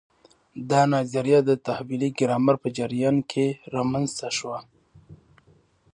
دا نظریه د تحویلي ګرامر په جریان کې رامنځته شوه.